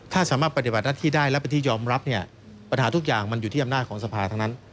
ถ้าสามารถปฏิบัติหน้าที่ได้และเป็นที่ยอมรับเนี่ยปัญหาทุกอย่างมันอยู่ที่อำนาจของสภาทั้งนั้น